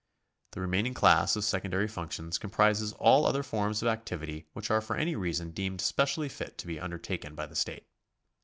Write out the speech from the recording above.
The remaining class of secondary functions comprises all other forms of activity which are for any reason deemed specially fit to be undertaken by the state.